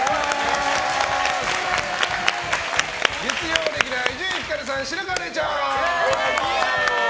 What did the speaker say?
月曜レギュラー、伊集院光さん白河れいちゃん！